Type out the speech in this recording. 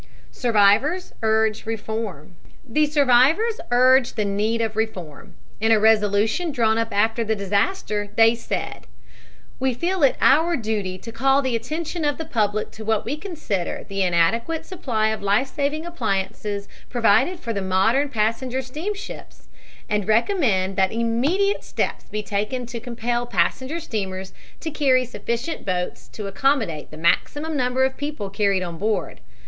SURVIVORS URGE REFORM The survivors urge the need of reform. In a resolution drawn up after the disaster they said: "We feel it our duty to call the attention of the public to what we consider the inadequate supply of life saving appliances provided for the modern passenger steamships and recommend that immediate steps be taken to compel passenger steamers to carry sufficient boats to accommodate the maximum number of people carried on board.